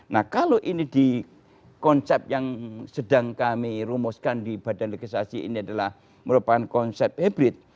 nah kalau ini di konsep yang sedang kami rumuskan di badan legislasi ini adalah merupakan konsep hybrid